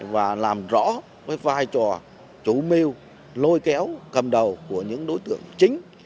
và làm rõ vai trò chú mêu lôi kéo cầm đầu của những đối tượng chính